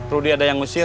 rudy ada yang ngusir